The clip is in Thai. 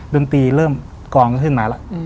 ดนตรีเริ่มกองขึ้นมาแล้ว